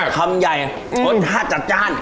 คำใหญ่รสชาติจัดจ้าน